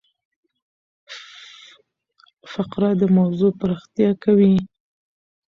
فقره د موضوع پراختیا کوي.